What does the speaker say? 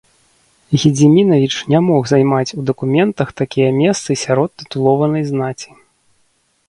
Гедзімінавіч не мог займаць у дакументах такія месцы сярод тытулаванай знаці.